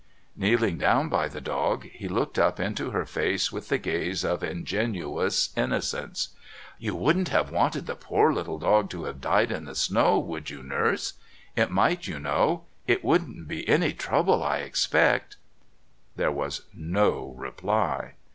Kneeling down by the dog, he looked up into her face with the gaze of ingenuous innocence. "You wouldn't have wanted the poor little dog to have died in the snow, would you, Nurse?... It might, you know. It won't be any trouble, I expect " There was no reply.